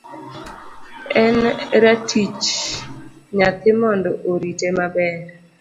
En ratich nyathi mondo orite maber.